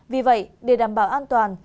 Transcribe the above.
vì vậy để đảm bảo an toàn